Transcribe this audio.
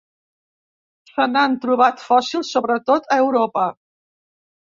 Se n'han trobat fòssils sobretot a Europa.